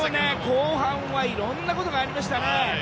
後半はいろいろなことがありましたね。